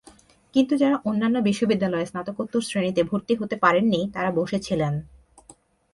কিন্তু যাঁরা অন্যান্য বিশ্ববিদ্যালয়ে স্নাতকোত্তর শ্রেণীতে ভর্তি হতে পারেননি, তাঁরা বসে ছিলেন।